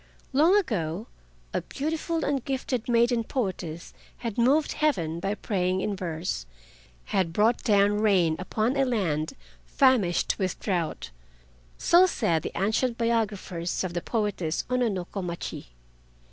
Long ago, a beautiful and gifted maiden poetess had moved Heaven by praying in verse, had brought down rain upon a land famished with drought—so said the ancient biographers of the poetess Ono no Komachi.